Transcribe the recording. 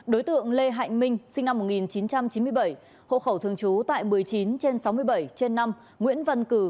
đối tượng lê hạnh minh sinh năm một nghìn chín trăm chín mươi bảy hộ khẩu thường trú tại một mươi chín trên sáu mươi bảy trên năm nguyễn văn cử